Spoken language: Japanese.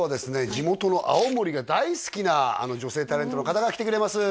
地元の青森が大好きなあの女性タレントの方が来てくれます